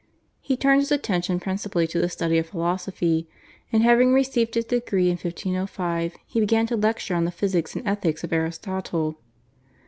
He turned his attention principally to the study of philosophy, and having received his degree in 1505, he began to lecture on the physics and ethics of Aristotle.